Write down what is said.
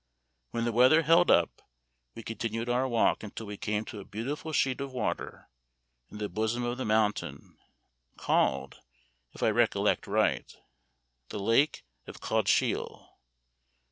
When the weather held up, we continued our walk until we came to a beautiful sheet of water, in the bosom of the mountain, called, if I recollect right, the lake of Cauldshiel.